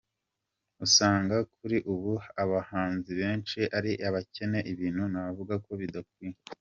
Usanga kuri ubu abahanzi benshi ari abakene ibintu navuga ko bidakwiye.